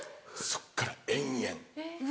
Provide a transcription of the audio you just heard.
そっから延々。